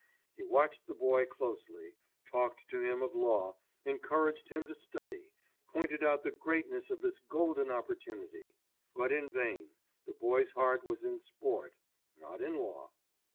He watched the boy closely, talked to him of law, encouraged him to study, pointed out the greatness of this golden opportunity. But in vain, the boy's heart was in sport, not in law.